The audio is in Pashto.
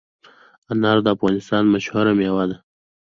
انار د افغانستان مشهور مېوه ده.